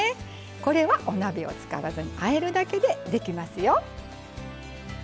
これはお鍋を使わずにあえるだけでできますよ。